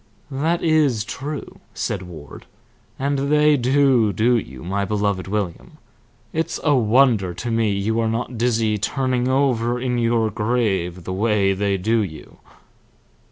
"That is true," said Ward. "And they do do you, my beloved William. It's a wonder to me you are not dizzy turning over in your grave the way they do you."